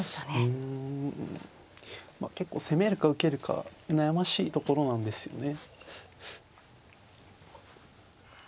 うんまあ結構攻めるか受けるか悩ましいところなんですよね。